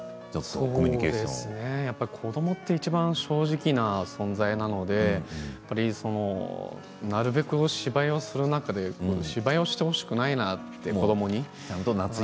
そうですね子どもって、やっぱりいちばん正直な存在なのでなるべく芝居をする中で芝居をしてほしくないなと子どもに。